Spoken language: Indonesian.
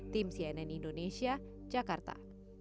tim cnn indonesia jakarta